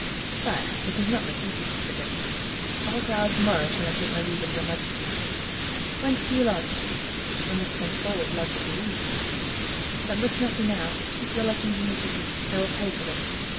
"Sire, it is not my duty to forget it! At what hour to morrow shall I take my leave of your majesty?" "Whence do you lodge?" "I must henceforward lodge at the Louvre." "That must not be now—keep your lodgings in the city: I will pay for them.